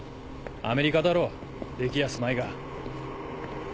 アメリカだろうできやすまいが。